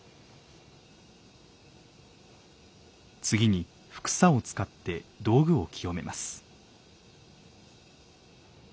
次に服紗を使って道具を清めます。